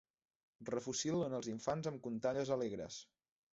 Refocil·len els infants amb contalles alegres.